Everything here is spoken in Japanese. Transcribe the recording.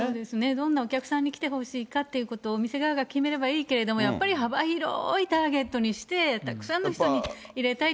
どんなお客さんに来てほしいかということを、お店側が決めればいいけれども、やっぱり幅広いターゲットにして、たくさんの人を入れたいと。